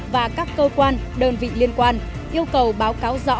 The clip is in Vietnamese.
và các cơ quan đơn vị liên quan yêu cầu báo cáo rõ